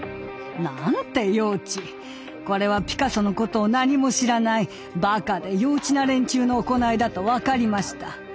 これはピカソのことを何も知らないバカで幼稚な連中の行いだと分かりました。